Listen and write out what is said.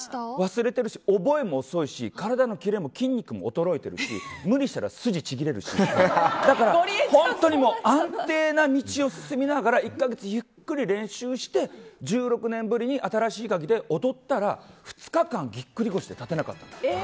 忘れてるし覚えも遅いし体のキレも筋肉も衰えてるし無理したら筋ちぎれるしだから本当に安定な道を進みながら１か月ゆっくり練習して１６年ぶりに「新しいカギ」で踊ったら２日間ぎっくり腰で立てなかった。